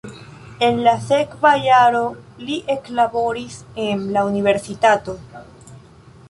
En la sekva jaro li eklaboris en la universitato.